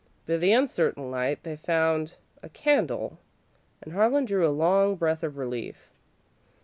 By the uncertain light they found a candle and Harlan drew a long breath of relief.